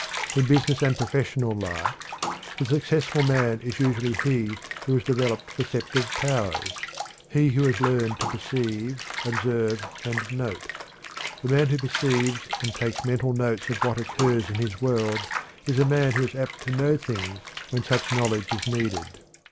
In business and professional life the successful man is usually he who has developed perceptive powers; he who has learned to perceive, observe, and note. The man who perceives and takes mental notes of what occurs in his world is the man who is apt to know things when such knowledge is needed.